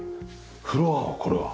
フロアはこれは。